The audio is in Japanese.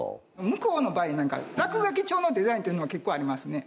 向こうの場合落書き調のデザインが結構ありますね